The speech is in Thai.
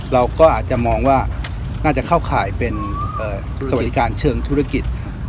เราก็อาจจะมองว่าน่าจะเข้าข่ายเป็นสวัสดิการเชิงธุรกิจ